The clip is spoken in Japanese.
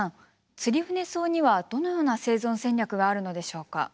ツリフネソウにはどのような生存戦略があるのでしょうか？